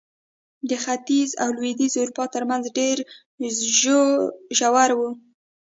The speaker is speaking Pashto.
د ختیځې او لوېدیځې اروپا ترمنځ ډېر ژور و.